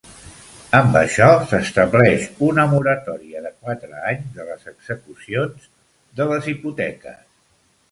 Amb això, s'estableix una moratòria de quatre anys de les execucions de les hipoteques.